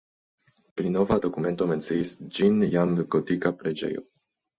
Pli nova dokumento menciis ĝin jam gotika preĝejo.